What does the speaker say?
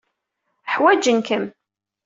Ḥwajen-kem.